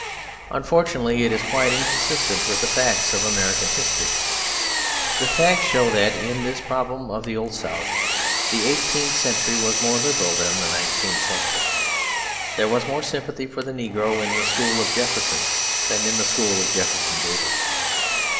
Unfortunately it is quite inconsistent with the facts of American history. The facts show that, in this problem of the Old South, the eighteenth century was more liberal than the nineteenth century. There was more sympathy for the negro in the school of Jefferson than in the school of Jefferson Davis.